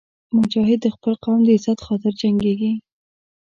مجاهد د خپل قوم د عزت خاطر جنګېږي.